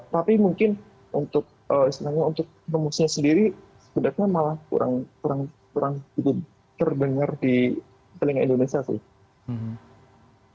tapi mungkin untuk istilahnya untuk rumusnya sendiri sebenarnya malah kurang terdengar di telinga indonesia sih